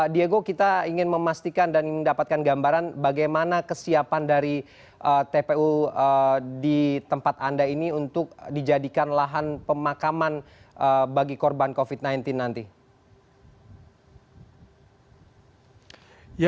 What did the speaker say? diego kita ingin memastikan dan mendapatkan gambaran bagaimana kesiapan dari tpu di tempat anda ini untuk dijadikan lahan pemakaman bagi korban covid sembilan belas nanti